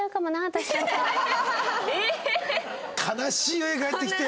悲しいよ家帰ってきて。